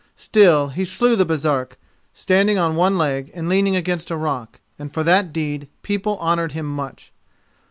Still, he slew the Baresark, standing on one leg and leaning against a rock, and for that deed people honoured him much.